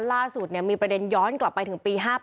ล่าสุดมีประเด็นย้อนกลับไปถึงปี๕๘